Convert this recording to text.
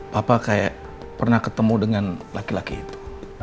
papa kayak pernah ketemu dengan laki laki itu